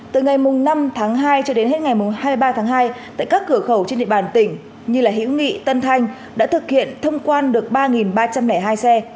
từ ngày năm tháng hai cho đến hết ngày hai mươi ba tháng hai tại các cửa khẩu trên địa bàn tỉnh như hiễu nghị tân thanh đã thực hiện thông quan được ba ba trăm linh hai xe